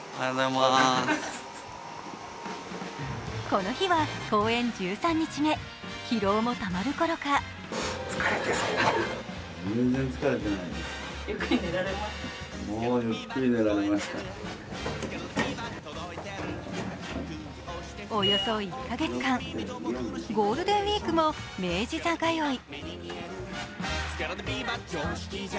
この日は公演１３日目、疲労もたまるころかおよそ１カ月間、ゴールデンウイークも明治座通い。